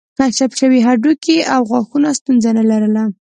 کشف شوي هډوکي او غاښونه ستونزه نه لرله.